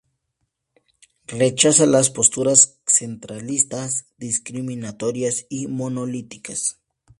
Rechaza las posturas centralistas, discriminatorias y monolíticas.